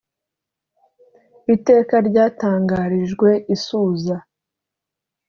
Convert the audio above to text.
iteka ryatangarijwe i suza